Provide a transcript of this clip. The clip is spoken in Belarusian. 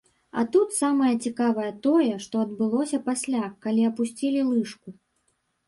А тут самае цікавае тое, што адбылося пасля, калі апусцілі лыжку.